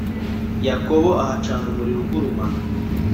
Yakobo ahacana umuriro ugurumana,